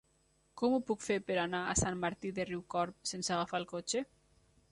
Com ho puc fer per anar a Sant Martí de Riucorb sense agafar el cotxe?